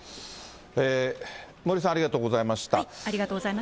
森さん、ありがとうございました。